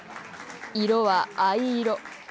色は藍色。